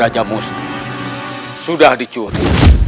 raja musni sudah dicuri